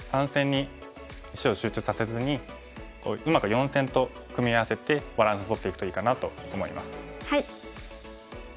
３線に石を集中させずにうまく４線と組み合わせてバランスとっていくといいかなと思います。